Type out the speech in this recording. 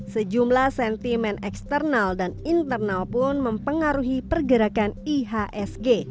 sejumlah sentimen eksternal dan internal pun mempengaruhi pergerakan ihsg